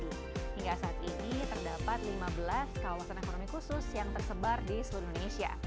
hingga saat ini terdapat lima belas kawasan ekonomi khusus yang tersebar di seluruh indonesia